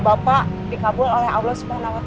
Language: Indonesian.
semoga doa bapak dikabul oleh allah swt